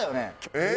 えっ？